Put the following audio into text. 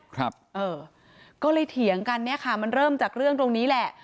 ครับเออก็เลยเถียงกันเนี่ยค่ะมันเริ่มจากเรื่องตรงนี้แหละ